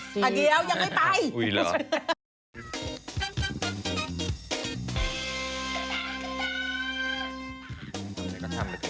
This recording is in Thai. อันเดียวยังไม่ไป